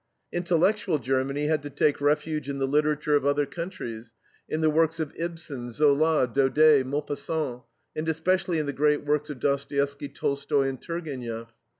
Intellectual Germany had to take refuge in the literature of other countries, in the works of Ibsen, Zola, Daudet, Maupassant, and especially in the great works of Dostoyevsky, Tolstoy, and Turgeniev.